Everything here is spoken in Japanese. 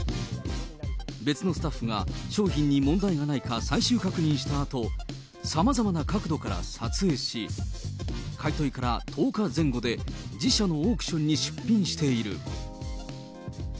別のスタッフが商品に問題がないか最終確認したあと、さまざまな角度から撮影し、買い取りから１０日前後で自社のオークションに出品している。